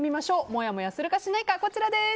もやもやするかしないかこちらです。